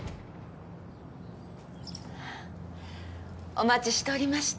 お待ちしておりました。